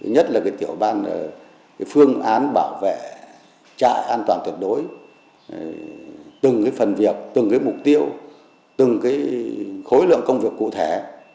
nhất là tiểu ban phương án bảo vệ trại an toàn tuyệt đối từng cái phần việc từng cái mục tiêu từng cái khối lượng công việc cụ thể